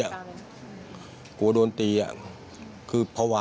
อ้าวโดนตีอ้าวหลวงตีอ้าว